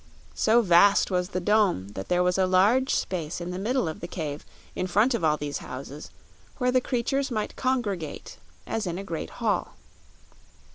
So vast was the dome that there was a large space in the middle of the cave, in front of all these houses, where the creatures might congregate as in a great hall.